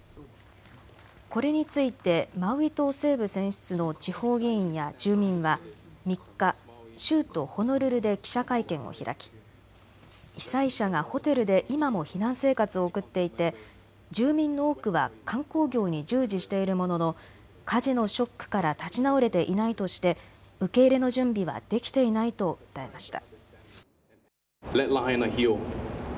これについてマウイ島西部選出の地方議員や住民は３日、州都ホノルルで記者会見を開き被災者がホテルで今も避難生活を送っていて住民の多くは観光業に従事しているものの火事のショックから立ち直れていないとして受け入れの準備はできていないと訴えました。